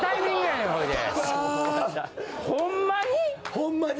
ホンマに？